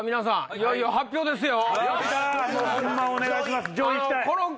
いよいよ発表ですよ。